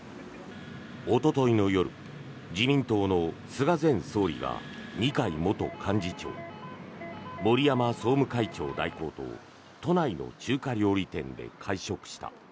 おとといの夜自民党の菅前総理が二階元幹事長森山総務会長代行と都内の中華料理店で会食した。